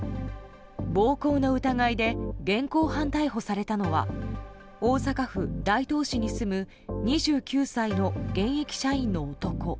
暴行の疑いで現行犯逮捕されたのは大阪府大東市に住む２９歳の現役社員の男。